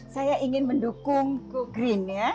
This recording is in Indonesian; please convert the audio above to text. saya ingin mendukung green ya